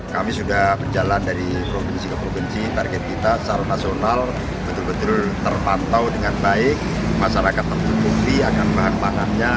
kami sudah berjalan dari provinsi ke provinsi target kita secara nasional betul betul terpantau dengan baik masyarakat tertutupi akan bahan pangannya